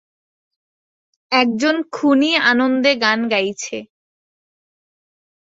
একজন খুনি আনন্দে গান গাইছে।